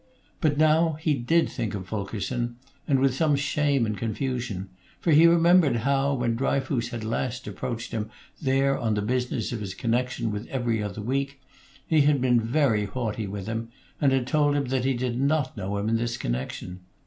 But now he did think of Fulkerson, and with some shame and confusion; for he remembered how, when Dryfoos had last approached him there on the business of his connection with 'Every Other Week,' he had been very haughty with him, and told him that he did not know him in this connection.